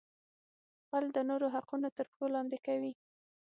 غل د نورو حقونه تر پښو لاندې کوي